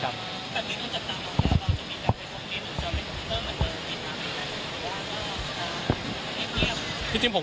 อยากดูกินบ้านดีนะครับ